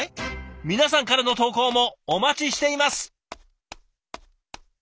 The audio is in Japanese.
皆さんからの投稿もお待ちしています！